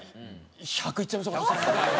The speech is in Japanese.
１００いっちゃいましょうか？